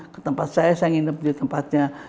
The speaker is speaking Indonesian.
ke tempat saya saya nginep di tempatnya